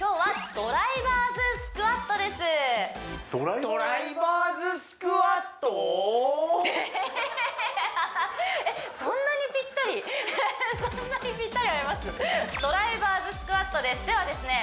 ドライバーズスクワットですではですね